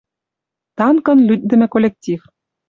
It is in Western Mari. Танкын лӱддӹм коллектив.